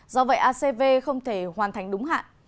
do vậy acv không thể hoàn thành đúng hạn